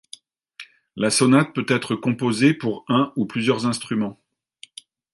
La sonate peut être composée pour un ou plusieurs instruments.